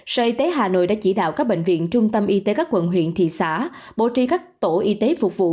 sở y tế hà nội đã chỉ đạo các bệnh viện trung tâm y tế các quận huyện thị xã bố trì các tổ y tế phục vụ